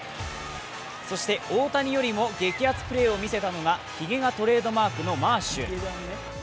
そして大谷よりも激アツプレーを見せたのがひげがトレードマークのマーシュ。